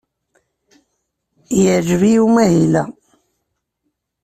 Yeɛjeb-iyi umahil-a.